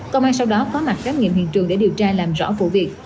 công an sau đó có mặt khám nghiệm hiện trường để điều tra làm rõ vụ việc